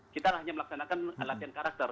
kita hanya melaksanakan latihan karakter